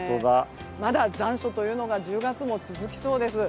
まだ残暑というのが１０月も続きそうです。